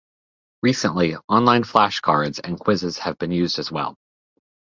Recently, online flashcards and quizzes have been used as well.